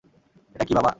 এটা কী বাবা?